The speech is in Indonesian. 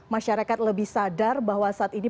masyarakat lebih sadar bahwa saat ini